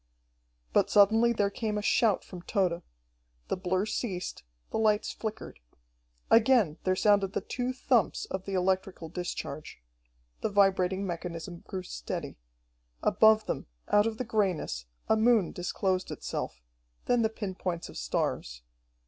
But suddenly there came a shout from Tode. The blur ceased, the lights flickered. Again there sounded the two thumps of the electrical discharge. The vibrating mechanism grew steady. Above them, out of the grayness, a moon disclosed itself, then the pin points of stars.